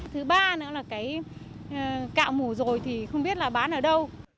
thứ ba nữa là cái cạo mủ rồi thì không biết là bán ở đâu